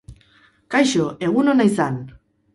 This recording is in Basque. Kaixo, egun ona izan!